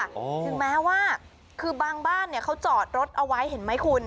ถึงแม้ว่าคือบางบ้านเนี่ยเขาจอดรถเอาไว้เห็นไหมคุณ